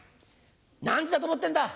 何時だと思ってんだ！